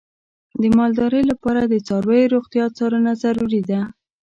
د مالدارۍ لپاره د څارویو روغتیا څارنه ضروري ده.